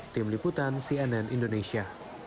tim liputan cnn indonesia